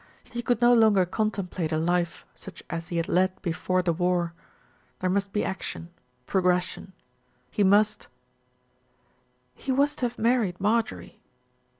He could no longer contemplate a life such as he had led before the war. There must be action, progression. He must "He was to have married Marjorie."